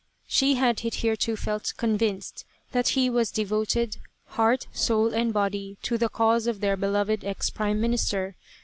She had hitherto felt convinced that he was devoted, heart, soul, and body, to the cause of their beloved ex Prime Minister.